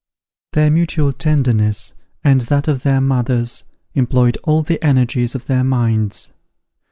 Their mutual tenderness, and that of their mothers, employed all the energies of their minds.